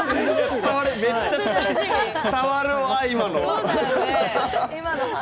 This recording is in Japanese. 伝わるわ、今の！